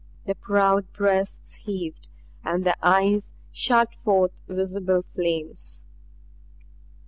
The proud breasts heaved, the eyes shot forth visible flames.